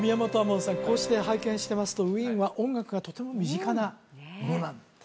門さんこうして拝見してますとウィーンは音楽がとても身近なものなんですね